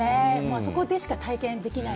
あそこでしか体験できない。